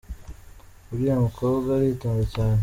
Uriya mukobwa aritonda cyane